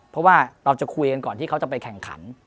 เพราะว่าเราจะคุยกันก่อนที่เขาจะไปแข่งขัน